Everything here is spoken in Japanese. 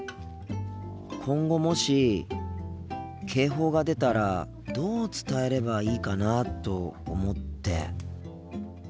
今後もし警報が出たらどう伝えればいいかなと思って。